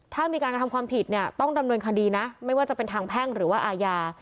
ถ้ามีการกระทำความผิดเนี่ยต้องดำเนินคดีนะไม่ว่าจะเป็นทางแพ่งหรือว่าอาญา